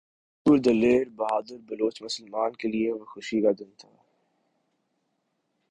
غیور دلیر بہادر بلوچ مسلمان کے لیئے وہ خوشی کا دن تھا